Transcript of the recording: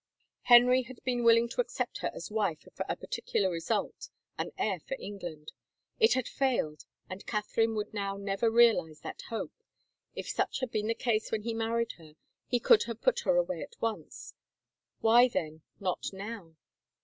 Henry had been willing to accept her as wife for a particular result — an heir for England. It had failed and Catherine would now never realize that hope. If such had been the case when he married her he could have put her away at once ; why then, not now